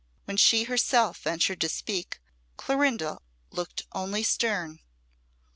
When she herself ventured to speak, Clorinda looked only stern.